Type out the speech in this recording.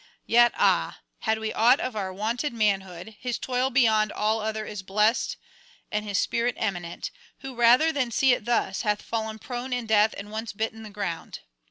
Yet ah! had we aught of our wonted manhood, his toil beyond all other is blessed and his spirit eminent, who rather than see it thus, hath fallen prone in death and once bitten the ground.